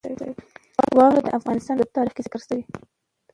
واوره د افغانستان په اوږده تاریخ کې ذکر شوی دی.